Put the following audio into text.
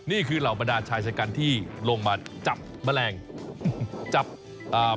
นี่คือเหล่าประดาษชายจัดการที่ลงมาจับแมงปอง